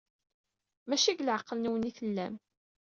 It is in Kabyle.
Maci deg leɛqel-nwen ay tellam.